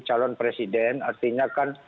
calon presiden artinya kan